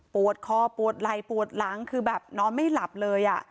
ปวดคอปวดไหล่ปวดหลังคือแบบนอนไม่หลับเลย